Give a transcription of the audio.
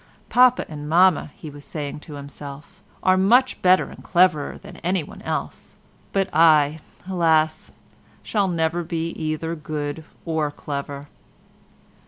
"Papa and Mamma," he was saying to himself, "are much better and cleverer than anyone else, but, I, alas! shall never be either good or clever."